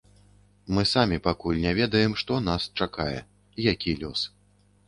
Мы самі пакуль не ведаем, што нас чакае, які лёс.